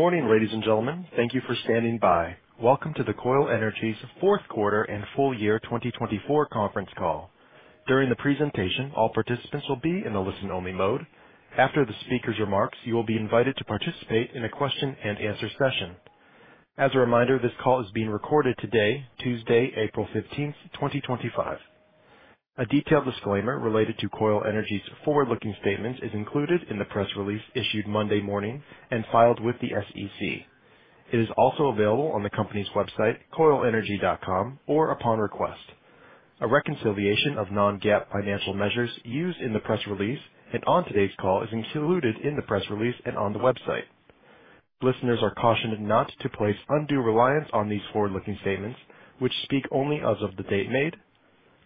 Morning, ladies and gentlemen. Thank you for standing by. Welcome to the Koil Energy's Fourth Quarter and Full Year 2024 Conference Call. During the presentation, all participants will be in the listen-only mode. After the speaker's remarks, you will be invited to participate in a question and answer session. As a reminder, this call is being recorded today, Tuesday, April 15th, 2025. A detailed disclaimer related to Koil Energy's forward-looking statements is included in the press release issued Monday morning and filed with the SEC. It is also available on the company's website, koilenergy.com, or upon request. A reconciliation of non-GAAP financial measures used in the press release and on today's call is included in the press release and on the website. Listeners are cautioned not to place undue reliance on these forward-looking statements, which speak only as of the date made.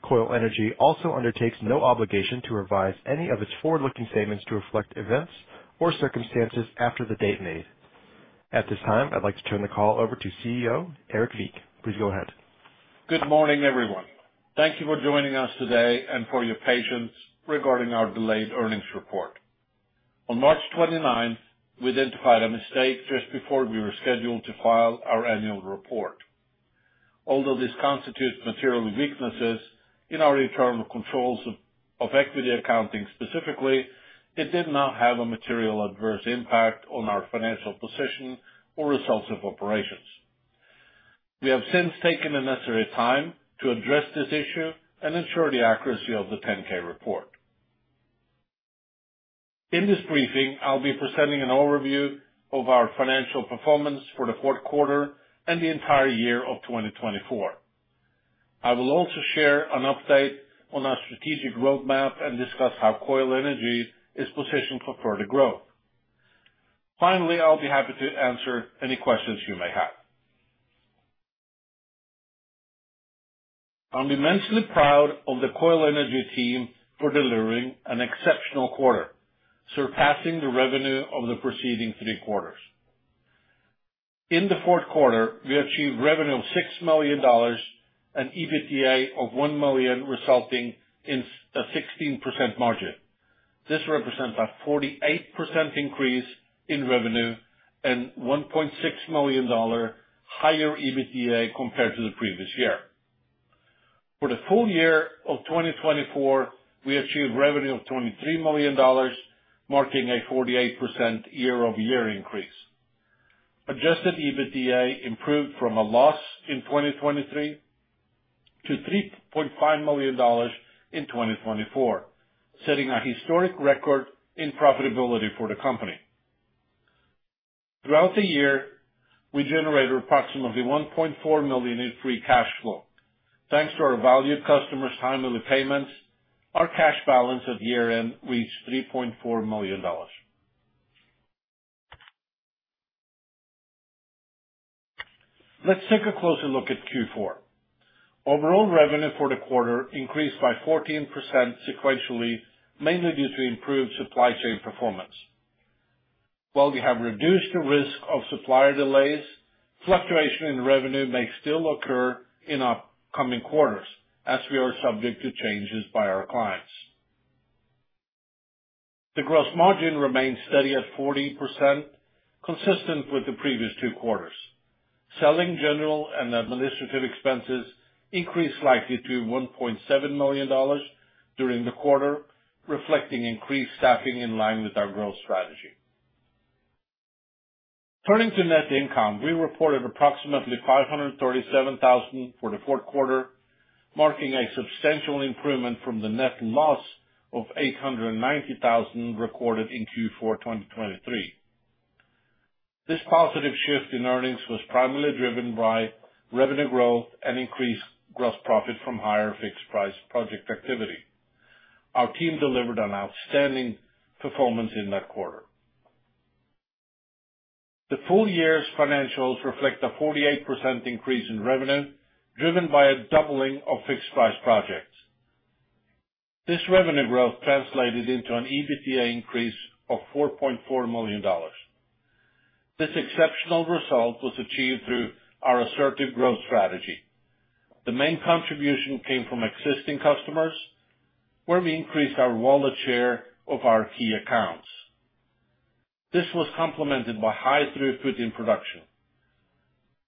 Koil Energy also undertakes no obligation to revise any of its forward-looking statements to reflect events or circumstances after the date made. At this time, I'd like to turn the call over to CEO Erik Wiik. Please go ahead. Good morning, everyone. Thank you for joining us today and for your patience regarding our delayed earnings report. On March 29th, we identified a mistake just before we were scheduled to file our annual report. Although this constitutes material weaknesses in our internal controls of equity accounting specifically, it did not have a material adverse impact on our financial position or results of operations. We have since taken the necessary time to address this issue and ensure the accuracy of the 10-K report. In this briefing, I'll be presenting an overview of our financial performance for the fourth quarter and the entire year of 2024. I will also share an update on our strategic roadmap and discuss how Koil Energy Solutions is positioned for further growth. Finally, I'll be happy to answer any questions you may have. I'm immensely proud of the Koil Energy Solutions team for delivering an exceptional quarter, surpassing the revenue of the preceding three quarters. In the fourth quarter, we achieved revenue of $6 million and EBITDA of $1 million, resulting in a 16% margin. This represents a 48% increase in revenue and $1.6 million higher EBITDA compared to the previous year. For the full year of 2024, we achieved revenue of $23 million, marking a 48% year-over-year increase. Adjusted EBITDA improved from a loss in 2023 to $3.5 million in 2024, setting a historic record in profitability for the company. Throughout the year, we generated approximately $1.4 million in free cash flow. Thanks to our valued customers' timely payments, our cash balance at year-end reached $3.4 million. Let's take a closer look at Q4. Overall revenue for the quarter increased by 14% sequentially, mainly due to improved supply chain performance. While we have reduced the risk of supplier delays, fluctuation in revenue may still occur in upcoming quarters as we are subject to changes by our clients. The gross margin remained steady at 40%, consistent with the previous two quarters. Selling, general, and administrative expenses increased slightly to $1.7 million during the quarter, reflecting increased staffing in line with our growth strategy. Turning to net income, we reported approximately $537,000 for the fourth quarter, marking a substantial improvement from the net loss of $890,000 recorded in Q4 2023. This positive shift in earnings was primarily driven by revenue growth and increased gross profit from higher fixed-price project activity. Our team delivered an outstanding performance in that quarter. The full year's financials reflect a 48% increase in revenue, driven by a doubling of fixed-price projects. This revenue growth translated into an EBITDA increase of $4.4 million. This exceptional result was achieved through our assertive growth strategy. The main contribution came from existing customers, where we increased our wallet share of our key accounts. This was complemented by high throughput in production.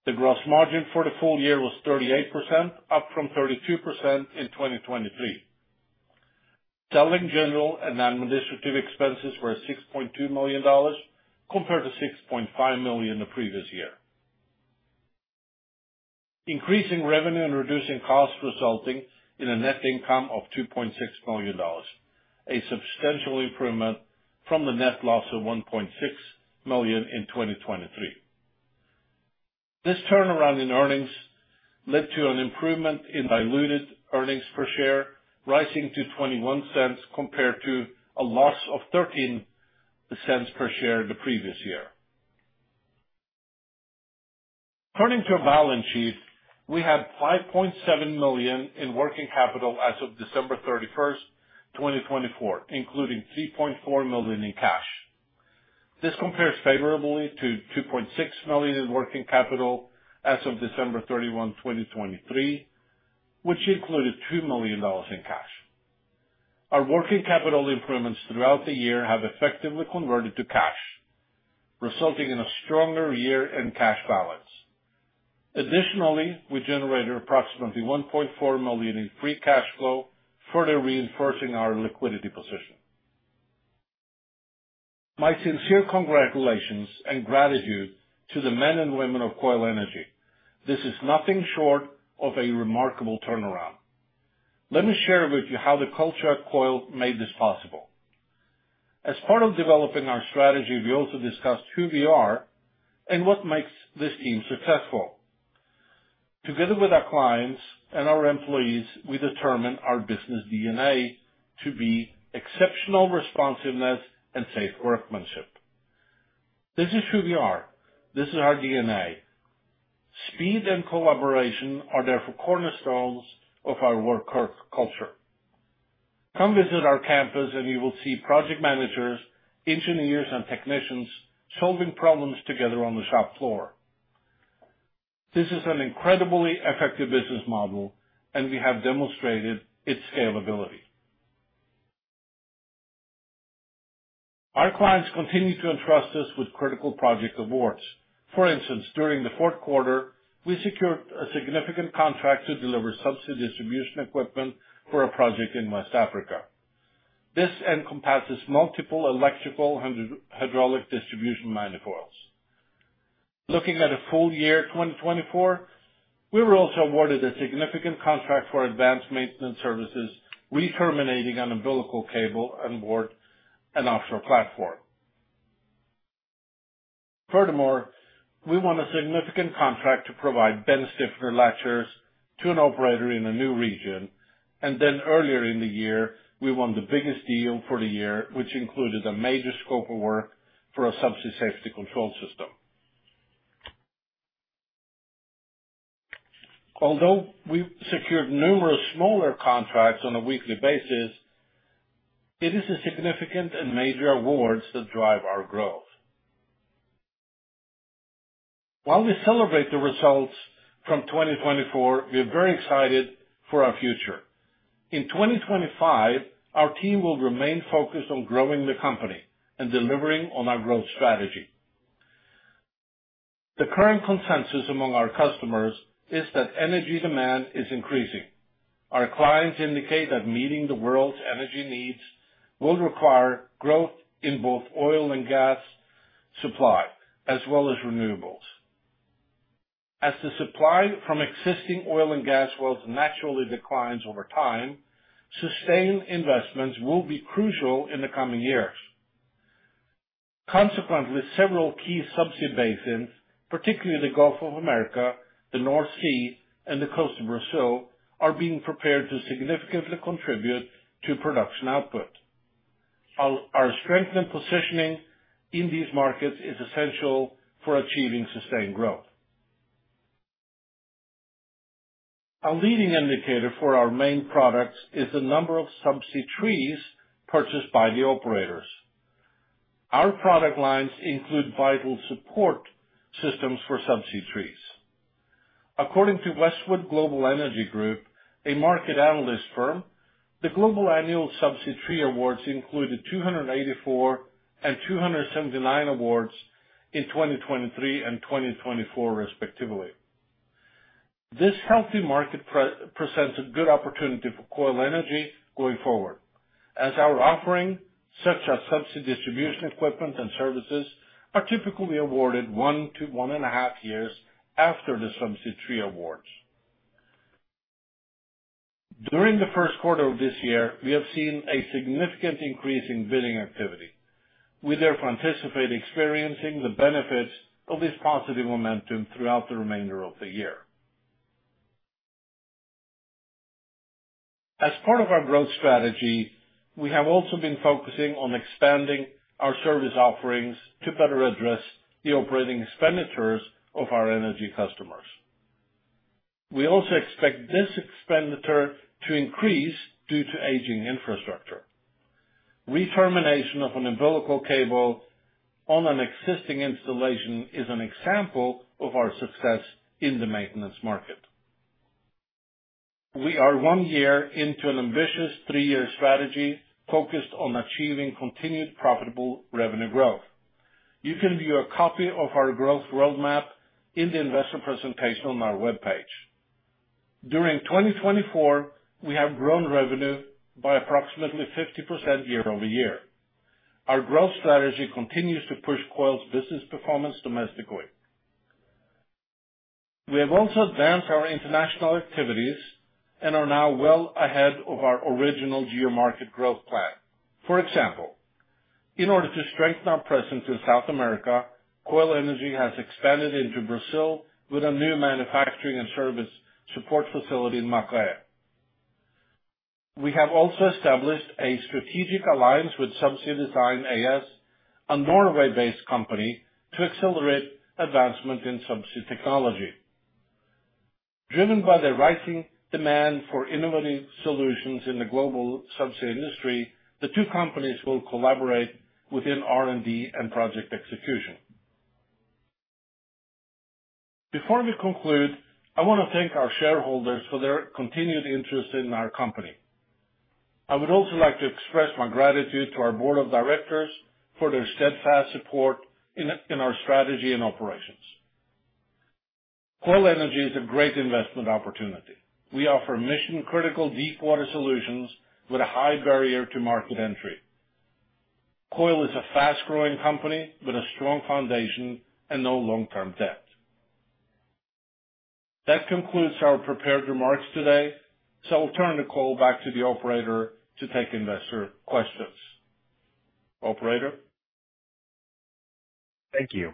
The gross margin for the full year was 38%, up from 32% in 2023. Selling, general, and administrative expenses were $6.2 million, compared to $6.5 million the previous year. Increasing revenue and reducing costs, resulting in a net income of $2.6 million, a substantial improvement from the net loss of $1.6 million in 2023. This turnaround in earnings led to an improvement in diluted earnings per share, rising to $0.21 compared to a loss of $0.13 per share the previous year. Turning to our balance sheet, we had $5.7 million in working capital as of December 31, 2024, including $3.4 million in cash. This compares favorably to $2.6 million in working capital as of December 31, 2023, which included $2 million in cash. Our working capital improvements throughout the year have effectively converted to cash, resulting in a stronger year-end cash balance. Additionally, we generated approximately $1.4 million in free cash flow, further reinforcing our liquidity position. My sincere congratulations and gratitude to the men and women of Koil Energy. This is nothing short of a remarkable turnaround. Let me share with you how the culture at Koil made this possible. As part of developing our strategy, we also discussed who we are and what makes this team successful. Together with our clients and our employees, we determine our business DNA to be exceptional responsiveness and safe workmanship. This is who we are. This is our DNA. Speed and collaboration are therefore cornerstones of our work culture. Come visit our campus and you will see project managers, engineers, and technicians solving problems together on the shop floor. This is an incredibly effective business model, and we have demonstrated its scalability. Our clients continue to entrust us with critical project awards. For instance, during the fourth quarter, we secured a significant contract to deliver subsea distribution equipment for a project in West Africa. This encompasses multiple electrical hydraulic distribution manifolds. Looking at a full year 2024, we were also awarded a significant contract for advanced maintenance services, re-terminating an umbilical cable onboard an offshore platform. Furthermore, we won a significant contract to provide bend stiffener latchers to an operator in a new region, and then earlier in the year, we won the biggest deal for the year, which included a major scope of work for a subsea safety control system. Although we secured numerous smaller contracts on a weekly basis, it is the significant and major awards that drive our growth. While we celebrate the results from 2024, we are very excited for our future. In 2025, our team will remain focused on growing the company and delivering on our growth strategy. The current consensus among our customers is that energy demand is increasing. Our clients indicate that meeting the world's energy needs will require growth in both oil and gas supply, as well as renewables. As the supply from existing oil and gas wells naturally declines over time, sustained investments will be crucial in the coming years. Consequently, several key subsea basins, particularly the Gulf of Mexico, the North Sea, and the coast of Brazil, are being prepared to significantly contribute to production output. Our strengthened positioning in these markets is essential for achieving sustained growth. A leading indicator for our main products is the number of subsea trees purchased by the operators. Our product lines include vital support systems for subsea trees. According to Westwood Global Energy Group, a market analyst firm, the global annual subsea tree awards included 284 and 279 awards in 2023 and 2024, respectively. This healthy market presents a good opportunity for Koil Energy Solutions going forward, as our offering, such as subsea distribution equipment and services, are typically awarded one to one and half years after the subsea tree awards. During the first quarter of this year, we have seen a significant increase in bidding activity. We therefore anticipate experiencing the benefits of this positive momentum throughout the remainder of the year. As part of our growth strategy, we have also been focusing on expanding our service offerings to better address the operating expenditures of our energy customers. We also expect this expenditure to increase due to aging infrastructure. Re-termination of an umbilical cable on an existing installation is an example of our success in the maintenance market. We are one year into an ambitious three-year strategy focused on achieving continued profitable revenue growth. You can view a copy of our growth roadmap in the investor presentation on our webpage. During 2024, we have grown revenue by approximately 50% year-over-year. Our growth strategy continues to push Koil's business performance domestically. We have also advanced our international activities and are now well ahead of our original go-to-market growth plan. For example, in order to strengthen our presence in South America, Koil Energy has expanded into Brazil with a new manufacturing and service support facility in Macaé. We have also established a strategic alliance with SubseaDesign AS, a Norway-based company, to accelerate advancement in subsea technology. Driven by the rising demand for innovative solutions in the global subsea industry, the two companies will collaborate within R&D and project execution. Before we conclude, I want to thank our shareholders for their continued interest in our company. I would also like to express my gratitude to our board of directors for their steadfast support in our strategy and operations. Koil Energy is a great investment opportunity. We offer mission-critical deepwater solutions with a high barrier to market entry. Koil Energy is a fast-growing company with a strong foundation and no long-term debt. That concludes our prepared remarks today. I'll turn the call back to the operator to take investor questions. Operator? Thank you.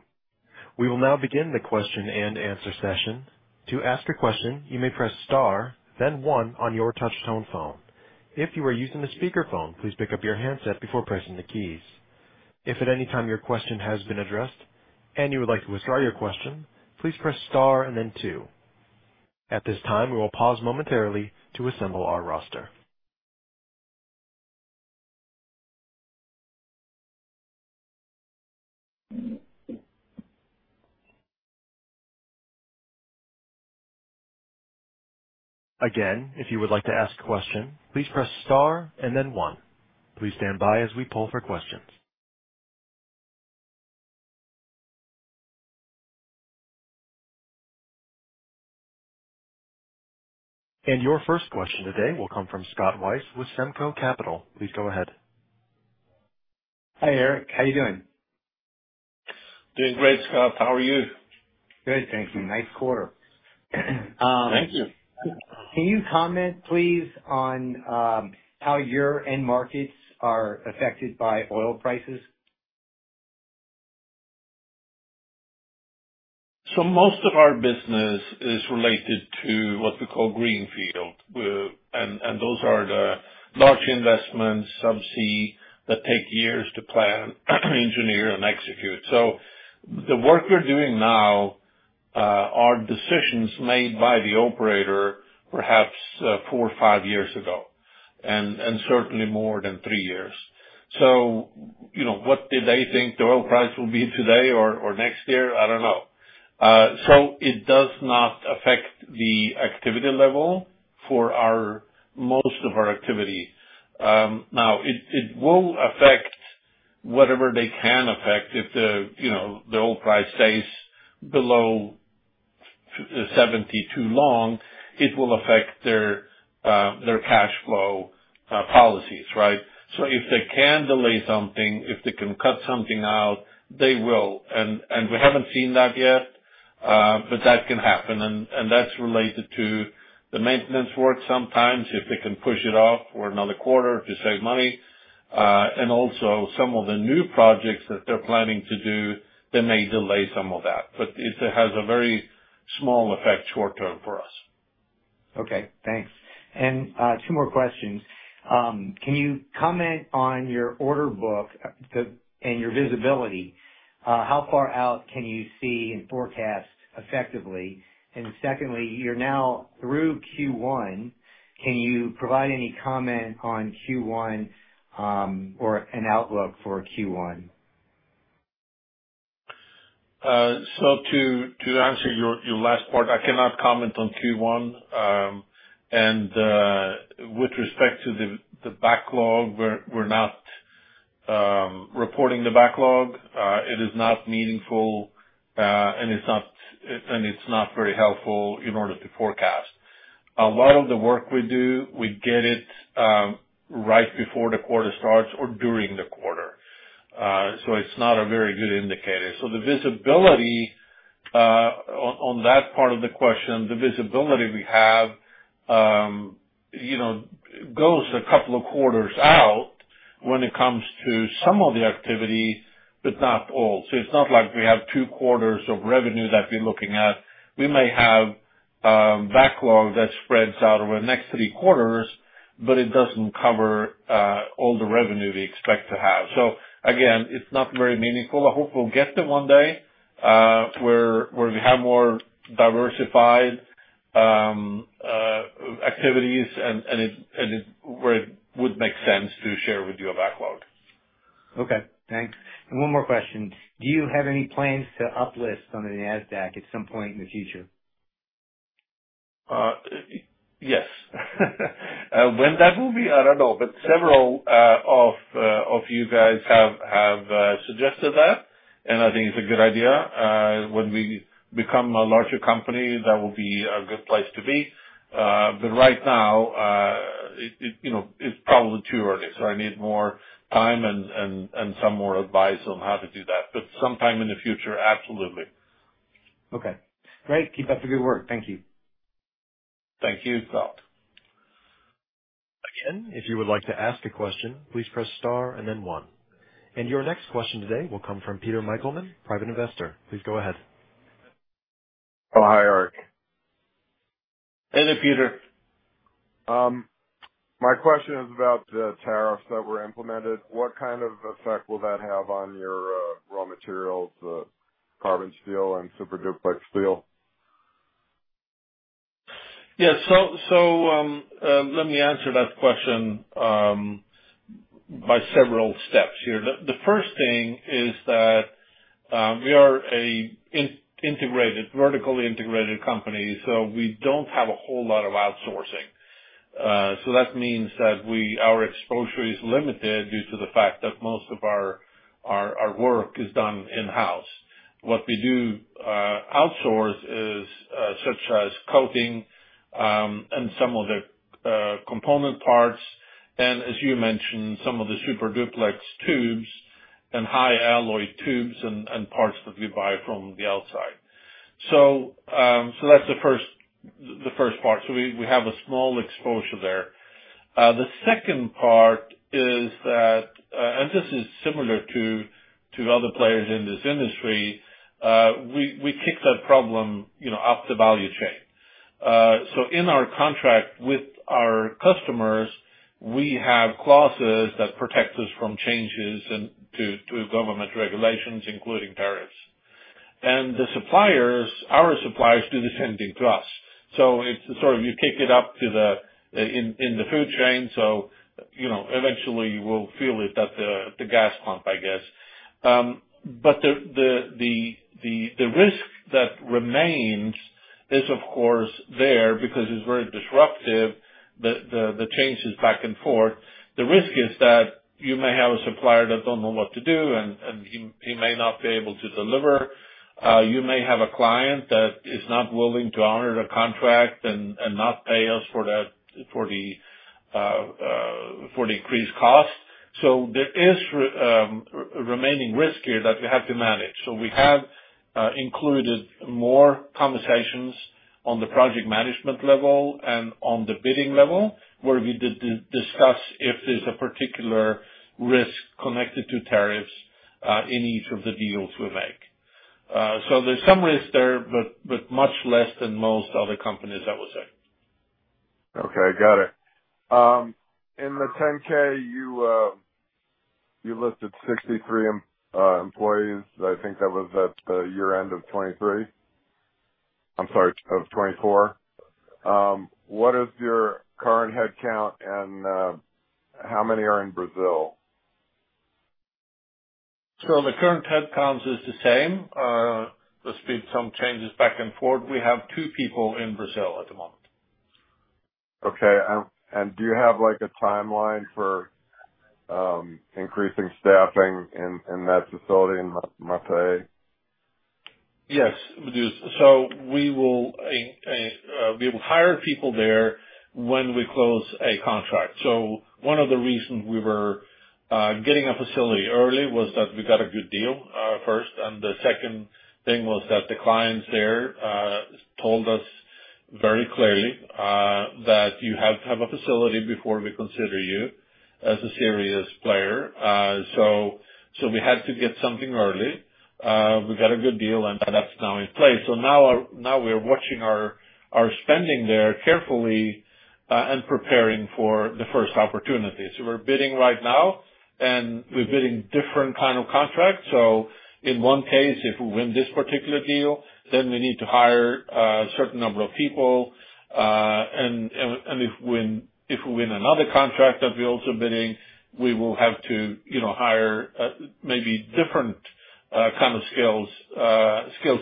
We will now begin the question and answer session. To ask a question, you may press star then one on your touchtone phone. If you are using a speakerphone, please pick up your handset before pressing the keys. If at any time your question has been addressed and you would like to withdraw your question, please press star and then two. At this time, we will pause momentarily to assemble our roster. Again, if you would like to ask a question, please press star and then one. Please stand by as we poll for questions. Your first question today will come from Scott Weis with Semco Capital. Please go ahead. Hi, Erik. How are you doing? Doing great, Scott. How are you? Great. Thank you. Nice quarter. Thank you. Can you comment, please, on how your end markets are affected by oil prices? Most of our business is related to what we call greenfield. Those are the large investments subsea that take years to plan, engineer, and execute. The work we're doing now are decisions made by the operator perhaps four or five years ago, and certainly more than three years. What did they think the oil price will be today or next year? I don't know. It does not affect the activity level for most of our activity. Now, it will affect whatever they can affect. If the oil price stays below $70 too long, it will affect their cash flow policies, right? If they can delay something, if they can cut something out, they will. We haven't seen that yet, but that can happen. That's related to the maintenance work sometimes, if they can push it off for another quarter to save money. Also some of the new projects that they're planning to do, they may delay some of that. It has a very small effect short-term for us. Okay, thanks. Two more questions. Can you comment on your order book and your visibility? How far out can you see and forecast effectively? Secondly, you're now through Q1. Can you provide any comment on Q1 or an outlook for Q1? To answer your last part, I cannot comment on Q1. With respect to the backlog, we're not reporting the backlog. It is not meaningful, and it's not very helpful in order to forecast. A lot of the work we do, we get it right before the quarter starts or during the quarter. It's not a very good indicator. On that part of the question, the visibility we have goes a couple of quarters out when it comes to some of the activity, but not all. It's not like we have two quarters of revenue that we're looking at. We may have a backlog that spreads out over the next three quarters, but it doesn't cover all the revenue we expect to have. Again, it's not very meaningful. I hope we'll get there one day, where we have more diversified activities and where it would make sense to share with you a backlog. Okay, thanks. One more question. Do you have any plans to uplist on the NASDAQ at some point in the future? Yes. When that will be, I don't know. Several of you guys have suggested that, and I think it's a good idea. When we become a larger company, that will be a good place to be. Right now, it's probably too early. I need more time and some more advice on how to do that. Sometime in the future, absolutely. Okay, great. Keep up the good work. Thank you. Thank you, Scott. Again, if you would like to ask a question, please press star and then one. Your next question today will come from Peter Michelman, private investor. Please go ahead. Oh, hi, Erik Wiik. Hey there, Peter. My question is about the tariffs that were implemented. What kind of effect will that have on your raw materials, carbon steel and super duplex steel? Yes. Let me answer that question by several steps here. The first thing is that we are a vertically integrated company, so we don't have a whole lot of outsourcing. That means that our exposure is limited due to the fact that most of our work is done in-house. What we do outsource is such as coating and some of the component parts, and as you mentioned, some of the super duplex tubes and high alloy tubes and parts that we buy from the outside. That's the first part. We have a small exposure there. The second part is that, and this is similar to other players in this industry, we kick that problem up the value chain. In our contract with our customers, we have clauses that protect us from changes to government regulations, including tariffs. Our suppliers do the same thing to us. You kick it up in the food chain, so eventually, you will feel it at the gas pump. The risk that remains is, of course, there, because it's very disruptive, the changes back and forth. The risk is that you may have a supplier that doesn't know what to do, and he may not be able to deliver. You may have a client that is not willing to honor the contract and not pay us for the increased cost. There is remaining risk here that we have to manage. We have included more conversations on the project management level and on the bidding level, where we did discuss if there's a particular risk connected to tariffs in each of the deals we make. There's some risk there, but much less than most other companies, I would say. Okay, got it. In the 10-K, you listed 63 employees. I think that was at the year-end of 2023. I'm sorry, of 2024. What is your current headcount, and how many are in Brazil? The current headcount is the same. There's been some changes back and forth. We have two people in Brazil at the moment. Okay. Do you have a timeline for increasing staffing in that facility in Macaé? Yes. We will hire people there when we close a contract. One of the reasons we were getting a facility early was that we got a good deal, first, and the second thing was that the clients there told us very clearly that, "You have to have a facility before we consider you as a serious player." We had to get something early. We got a good deal, and that's now in place. Now we're watching our spending there carefully and preparing for the first opportunity. We're bidding right now, and we're bidding different kind of contracts. In one case, if we win this particular deal, then we need to hire a certain number of people. If we win another contract that we're also bidding, we will have to hire maybe different kind of skill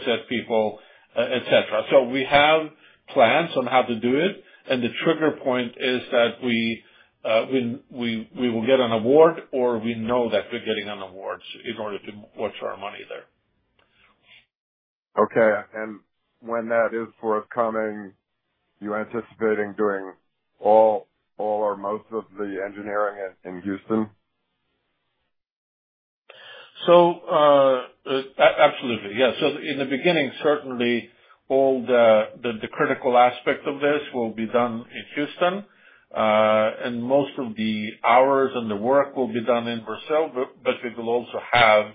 set people, et cetera. We have plans on how to do it, and the trigger point is that we will get an award, or we know that we're getting an award in order to watch our money there. Okay. When that is forthcoming, you're anticipating doing all or most of the engineering in Houston? Absolutely. Yes. In the beginning, certainly all the critical aspect of this will be done in Houston. Most of the hours and the work will be done in Brazil. We will also have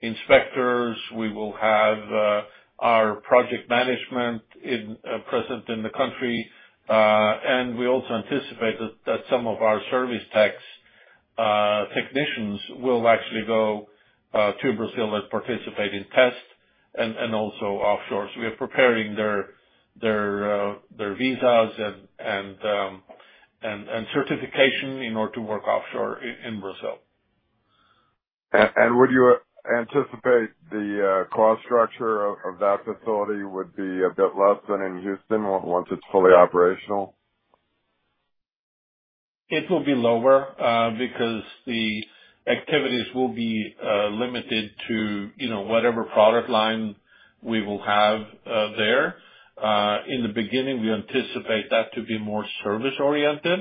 inspectors. We will have our project management present in the country. We also anticipate that some of our service technicians will actually go to Brazil and participate in tests and also offshore. We are preparing their visas and certification in order to work offshore in Brazil. Would you anticipate the cost structure of that facility would be a bit less than in Houston once it's fully operational? It will be lower because the activities will be limited to whatever product line we will have there. In the beginning, we anticipate that to be more service-oriented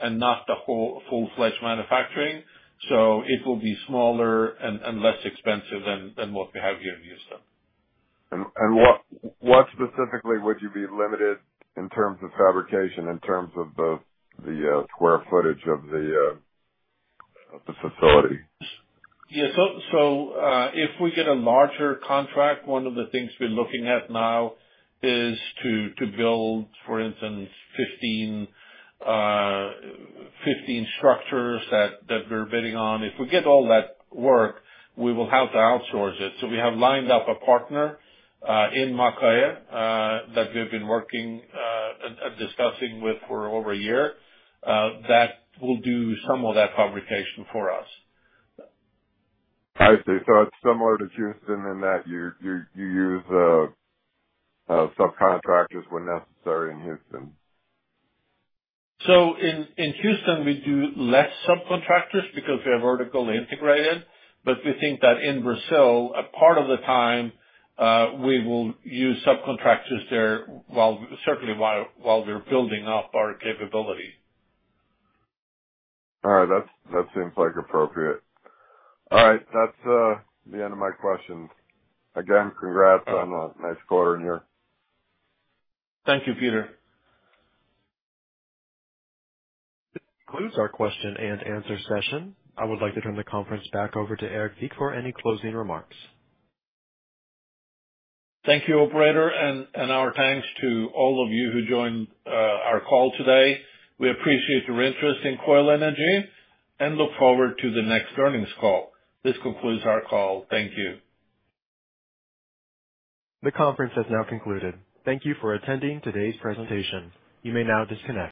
and not the full-fledged manufacturing. It will be smaller and less expensive than what we have here in Houston. What specifically would you be limited in terms of fabrication, in terms of the square footage of the facility? If we get a larger contract, one of the things we're looking at now is to build, for instance, 15 structures that we're bidding on. If we get all that work, we will have to outsource it. We have lined up a partner in Macaé that we've been working and discussing with for over a year that will do some of that fabrication for us. I see. It's similar to Houston in that you use subcontractors when necessary in Houston. In Houston, we do less subcontractors because we are vertically integrated. We think that in Brazil, a part of the time, we will use subcontractors there certainly while we're building up our capability. All right. That seems appropriate. All right. That's the end of my questions. Again, congrats on a nice quarter here. Thank you, Peter. This concludes our question and answer session. I would like to turn the conference back over to Erik Wiik for any closing remarks. Thank you, operator, and our thanks to all of you who joined our call today. We appreciate your interest in Koil Energy and look forward to the next earnings call. This concludes our call. Thank you. The conference has now concluded. Thank you for attending today's presentation. You may now disconnect.